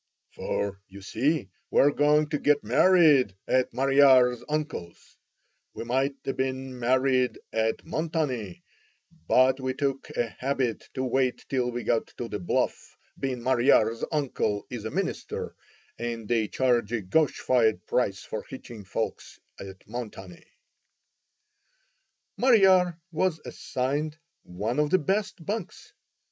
"For, you see, we're goin' to git married at Mariar's uncle's. We might a bin married at Montanny, but we took a habit to wait till we got to the Bluff, bein' Mariar's uncle is a minister, and they charge a gosh fired price for hitchin' folks at Montanny." "Mariar" was assigned one of the best "bunks."